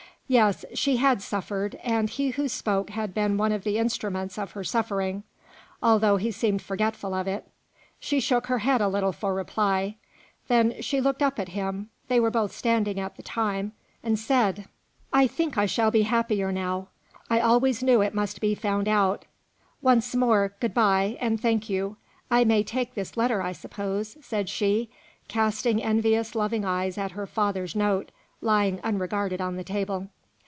Yes, she had suffered; and he who spoke had been one of the instruments of her suffering, although he seemed forgetful of it. She shook her head a little for reply. Then she looked up at him they were both standing at the time and said: "I think I shall be happier now. I always knew it must be found out. Once more, good by, and thank you. I may take this letter, I suppose?" said she, casting envious loving eyes at her father's note, lying unregarded on the table.